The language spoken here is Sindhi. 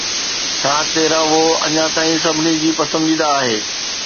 ڇا تيرا وو اڃا تائين سڀني جي پسنديده آهي؟